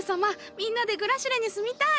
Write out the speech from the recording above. みんなでグラシレに住みたい！